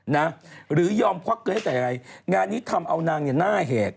นะหรือยอมควักเงินให้แต่ยังไงงานนี้ทำเอานางเนี่ยหน้าแหก